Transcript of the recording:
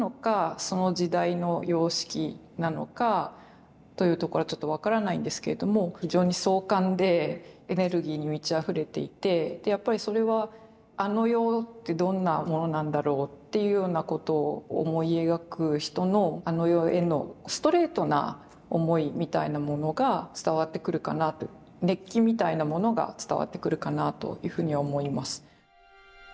その時代の様式なのかというところはちょっと分からないんですけども非常に壮観でエネルギーに満ちあふれていてでやっぱりそれはあの世ってどんなものなんだろうっていうようなことを思い描く人のあの世へのストレートな思いみたいなものが伝わってくるかなと熱気みたいなものが伝わってくるかなというふうに思います。